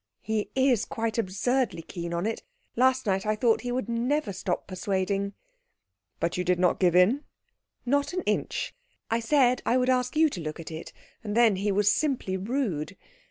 "He is quite absurdly keen on it. Last night I thought he would never stop persuading." "But you did not give in?" "Not an inch. I said I would ask you to look at it, and then he was simply rude.